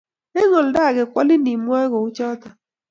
Eng oldo age kwalin imwae kouchoto